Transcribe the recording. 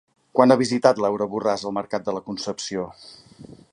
Quan ha visitat Laura Borràs el Mercat de la Concepció?